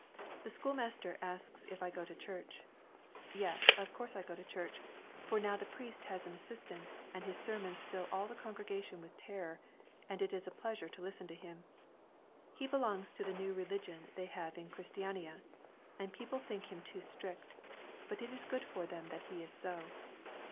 The school master asks if I go to church. Yes, of course I go to church, for now the priest has an assistant, and his sermons fill all the congregation with terror, and it is a pleasure to listen to him. He belongs to the new religion they have in Christiania, and people think him too strict, but it is good for them that he is so.